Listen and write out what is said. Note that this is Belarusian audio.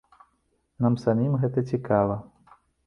Нам самім гэта цікава.